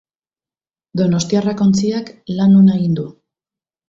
Donostiarrak ontziak lan ona egin du.